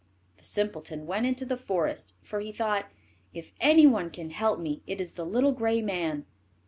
The simpleton went into the forest, for he thought, "If anyone can help me, it is the little gray man."